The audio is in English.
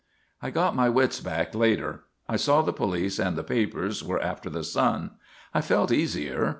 "I got my wits back later. I saw the police and the papers were after the son. I felt easier.